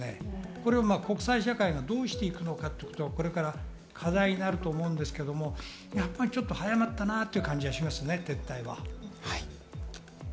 これは国際社会がどうしていくのか、これから課題になると思うんですが、やっぱりちょっと早まったなという感じがしますね、撤退は。